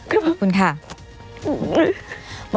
ขอบคุณค่ะ